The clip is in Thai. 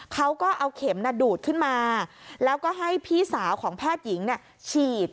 เขาก็เอาเข็มดูดขึ้นมาแล้วก็ให้พี่สาวของแพทย์หญิงฉีด